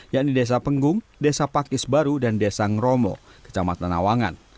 yakni desa penggung desa pakis baru dan desa ngeromo kecamatan awangan